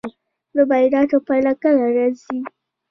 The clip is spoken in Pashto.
د معایناتو پایله کله راځي؟